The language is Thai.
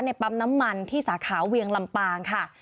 ปั๊มน้ำมันที่สาขาเวียงลำปางค่ะ